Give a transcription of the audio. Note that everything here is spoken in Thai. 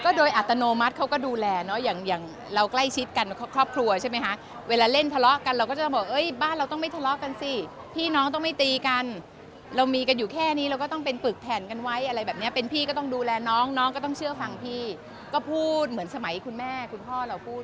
โดยอัตโนมัติเขาก็ดูแลเนอะอย่างเราใกล้ชิดกันครอบครัวใช่ไหมคะเวลาเล่นทะเลาะกันเราก็จะบอกเอ้ยบ้านเราต้องไม่ทะเลาะกันสิพี่น้องต้องไม่ตีกันเรามีกันอยู่แค่นี้เราก็ต้องเป็นปึกแผ่นกันไว้อะไรแบบนี้เป็นพี่ก็ต้องดูแลน้องน้องก็ต้องเชื่อฟังพี่ก็พูดเหมือนสมัยคุณแม่คุณพ่อเราพูด